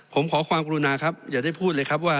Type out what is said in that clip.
ผมขอความกรุณาครับอย่าได้พูดเลยครับว่า